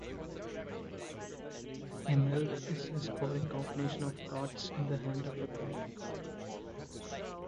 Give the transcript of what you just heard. A meld is a scoring combination of cards in the hand of a player.